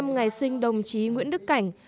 một trăm một mươi năm ngày sinh đồng chí nguyễn đức cảnh